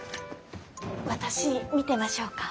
私見てましょうか。